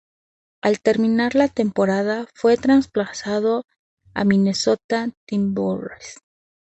Al terminar la temporada fue traspasado a Minnesota Timberwolves.